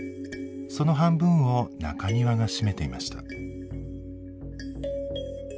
その半分を中庭が占めていました。